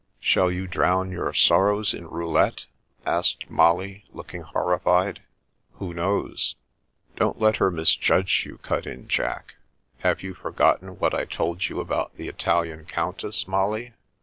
" Shall you drown your sorrows in roulette ?" asked Molly, looking horrified. "Who knows?" Woman Disposes "Don*t let her misjudge you/' cut in Jack. ''Have you forgotten what I told you about the Italian Countess, Molly